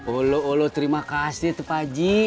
olo olo terima kasih tuh pak ji